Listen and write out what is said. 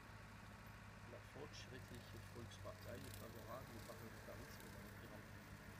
La Fortschrittliche Volkspartei est favorable au parlementarisme dans l'Empire allemand.